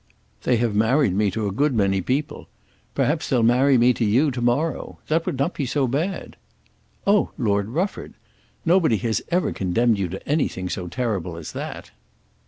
"They have married me to a good many people. Perhaps they'll marry me to you to morrow. That would not be so bad." "Oh, Lord Rufford! Nobody has ever condemned you to anything so terrible as that."